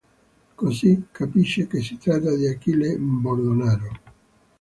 Così capisce che si tratta di Achille Bordonaro.